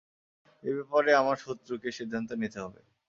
এ ব্যাপারে আমার শত্রুকে সিদ্ধান্ত নিতে হবে।